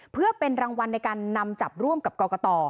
เพื่อเป็นรางวัลในการนำจับร่วมกับกรกต